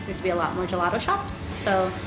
ada banyak jelata yang harus ditemani